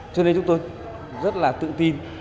cho nên chúng tôi rất là tự tin